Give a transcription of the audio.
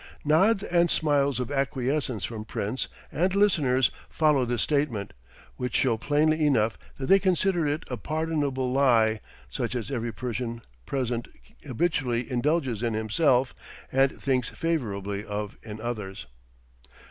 Nods and smiles of acquiescence from Prince and listeners follow this statement, which show plainly enough that they consider it a pardonable lie, such as every Persian present habitually indulges in himself and thinks favorably of in others.